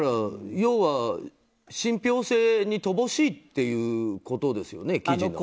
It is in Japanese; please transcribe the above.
要は信ぴょう性に乏しいっていうことですよね、記事が。